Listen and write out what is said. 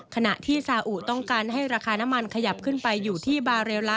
ขณะที่ซาอุต้องการให้ราคาน้ำมันขยับขึ้นไปอยู่ที่บาเรลละ